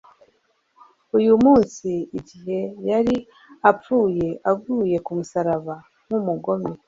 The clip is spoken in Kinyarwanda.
«Uyu munsi, igihe yari apfuye, aguye ku musaraba, nk'umugome,